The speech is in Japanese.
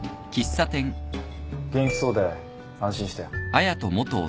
元気そうで安心したよ。